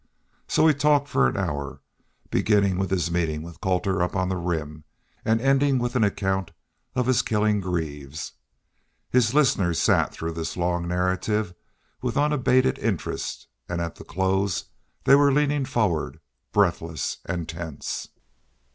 So he talked for an hour, beginning with his meeting with Colter up on the Rim and ending with an account of his killing Greaves. His listeners sat through this long narrative with unabated interest and at the close they were leaning forward, breathless and tense.